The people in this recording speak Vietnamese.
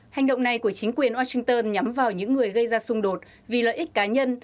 hành động này của chính quyền washington nhắm vào những người gây ra xung đột vì lợi ích cá nhân